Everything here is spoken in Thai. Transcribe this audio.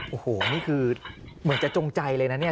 โอ้โหนี่คือเหมือนจะจงใจเลยนะเนี่ย